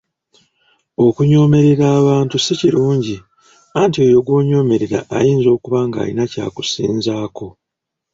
Okunyoomerera abantu si kirungi anti oyo gwonyoomerera ayinza okuba ng'alina ky'akusinzaako.